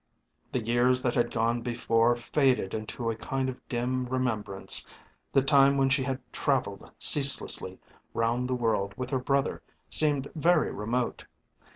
The years that had gone before faded into a kind of dim remembrance, the time when she had travelled ceaselessly round the world with her brother seemed very remote.